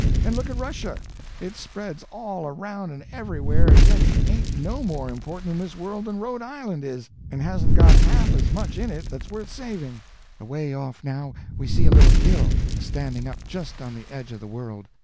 And look at Russia. It spreads all around and everywhere, and yet ain't no more important in this world than Rhode Island is, and hasn't got half as much in it that's worth saving." Away off now we see a little hill, a standing up just on the edge of the world.